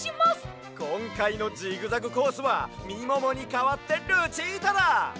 こんかいのジグザグコースはみももにかわってルチータだ！